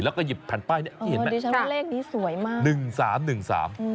แล้วก็หยิบแผ่นป้ายนี้เห็นมั้ย